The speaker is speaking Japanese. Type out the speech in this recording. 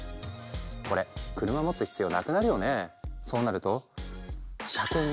これ車持つ必要なくなるよね。